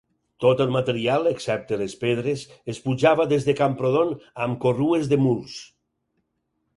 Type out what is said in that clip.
Tot el material, excepte les pedres es pujava des de Camprodon amb corrues de muls.